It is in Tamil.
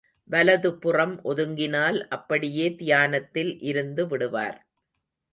வலது புறம் ஒதுங்கினால் அப்படியே தியானத்தில் இருந்து விடுவார்.